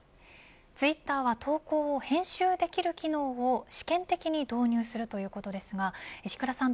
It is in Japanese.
ツイッターは投稿を編集できる機能を試験的に導入するということですが石倉さん